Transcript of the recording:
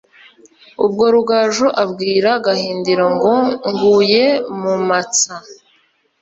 Ubwo Rugaju abwira Gahindiro ngo "Nguye mu matsa